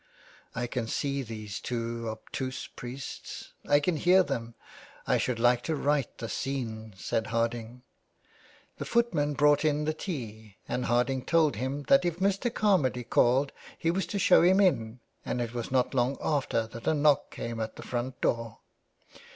" I can see these two obtuse priests. I can hear them. I should like to write the scene," said Harding. The footman brought in the tea, and Harding told him that if Mr. Carmady called he was to show him in, and it was not long after that a knock came at the front door.